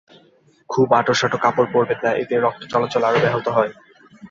খুব আঁটোসাঁটো কাপড় পরবেন না, এতে রক্ত চলাচল আরও ব্যাহত হবে।